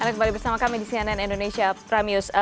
anda kembali bersama kami di cnn indonesia prime news